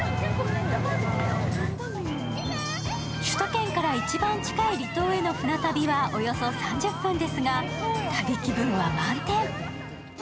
首都圏から一番近い離島への船旅はおよそ３０分ですが、旅気分は満点。